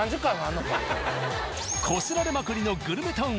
こすられまくりのグルメタウン